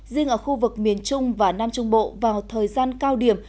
riêng ở khu vực miền trung và nam trung bộ vào thời gian cao điểm